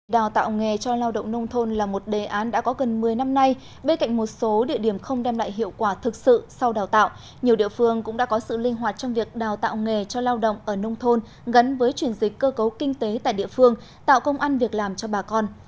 đào tạo nghề cho lao động nông thôn là một đề án đã có gần một mươi năm nay bê cạnh một số địa điểm không đem lại hiệu quả thực sự sau đào tạo nhiều địa phương cũng đã có sự linh hoạt trong việc đào tạo nghề cho lao động ở nông thôn gắn với chuyển dịch cơ cấu kinh tế tại địa phương tạo công ăn việc làm cho bà con